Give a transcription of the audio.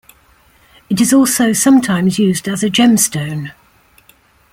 It is also sometimes used as a gemstone.